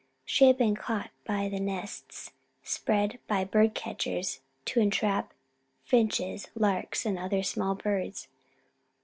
She had been caught by the nets spread by birdcatchers to entrap finches, larks, and other small birds.